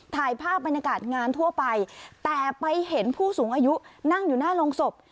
ถ่ายภาพบรรยากาศงานทั่วไปแต่ไปเห็นผู้สูงอายุนั่งอยู่หน้าโรงศพ